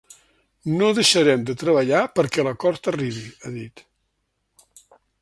“No deixarem de treballar perquè l’acord arribi”, ha dit.